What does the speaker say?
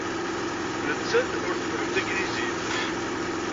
Nettat ur tfehhem tanglizit.